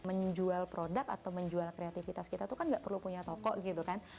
menjual produk atau menjual kreativitas kita tuh kan nggak perlu punya toko gitu kan